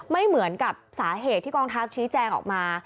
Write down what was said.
ไม่เหมือนกับสาเหตุที่กองทัพชี้แจงออกมา